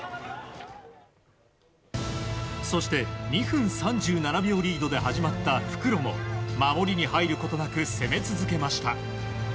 そして２分３７秒リードで始まった復路も守りに入ることなく攻め続けました。